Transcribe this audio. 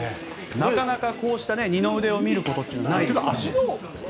なかなかこうした二の腕を見ることってないですからね。